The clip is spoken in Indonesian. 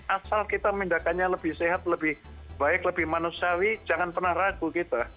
asal kita memindahkannya lebih sehat lebih baik lebih manusiawi jangan pernah ragu kita